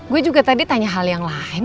gue juga tadi tanya hal yang lain